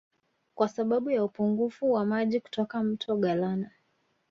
Kwa sababu ya upungufu wa maji kutoka Mto Galana